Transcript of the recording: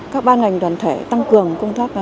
các ban ngành đoàn thể tăng cường công tác